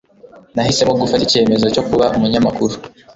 Nahisemo gufata icyemezo cyo kuba umunyamakuru.